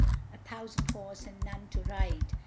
A thousand horse and none to ride!